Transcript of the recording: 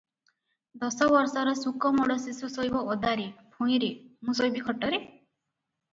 ଦଶ ବର୍ଷର ସୁକୋମଳ ଶିଶୁ ଶୋଇବ ଓଦାରେ, ଭୂଇଁରେ, ମୁଁ ଶୋଇବି ଖଟରେ?